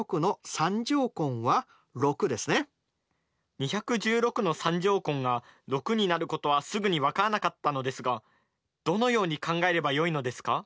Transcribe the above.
２１６の３乗根が６になることはすぐに分からなかったのですがどのように考えればよいのですか？